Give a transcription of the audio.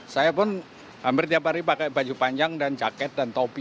saya pun hampir tiap hari pakai baju panjang dan jaket dan topi